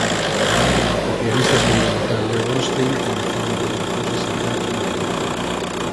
O pianista experimental Leo Ornstein comezou a empregar cousas similares moi pronto.